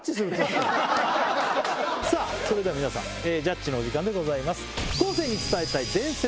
さぁそれでは皆さんジャッジのお時間でございます。